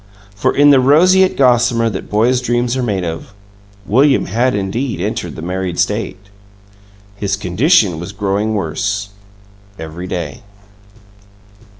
For, in the roseate gossamer that boys' dreams are made of, William had indeed entered the married state. His condition was growing worse, every day.